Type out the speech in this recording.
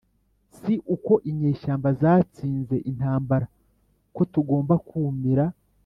si uko inyeshyamba zatsinze intambara ko tugomba kumira